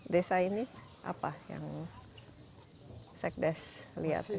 desa ini apa yang sekdes lihat